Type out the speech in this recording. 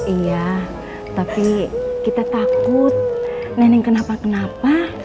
iya tapi kita takut neneng kenapa kenapa